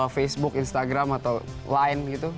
facebook instagram atau line gitu